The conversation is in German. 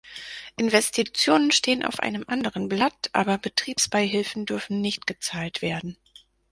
Investitionen stehen auf einem anderen Blatt, aber Betriebsbeihilfen dürfen nicht gezahlt werden.